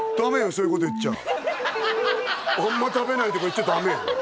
そういうこと言っちゃあんま食べないとか言っちゃダメよ